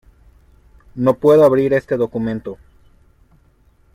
No puedo abrir este documento.